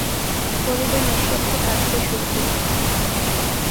ফরিদা নিঃশব্দে কাঁদতে শুরু করলেন।